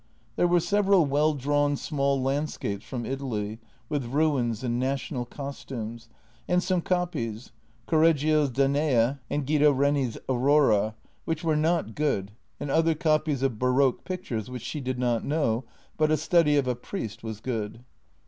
There were several well drawn small landscapes from Italy, with ruins and national costumes, and some copies — Correg gio's " Danae " and Guido Reni's " Aurora "— which were not good, and other copies of baroque pictures which she did not know, but a study of a priest was good.